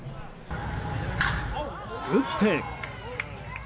打って。